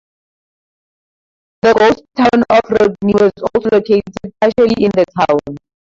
The ghost town of Rodney was also located partially in the town.